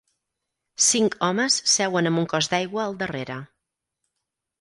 Cinc homes seuen amb un cos d'aigua al darrere.